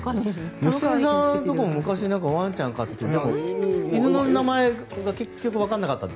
良純さんのところも昔、ワンちゃんを飼っていて犬の名前が結局わからなかったって。